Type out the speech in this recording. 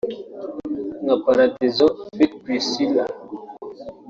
‘Nka Paradizo ft Priscillah’